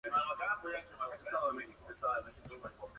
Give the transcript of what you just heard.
Director de Organización Zona J-!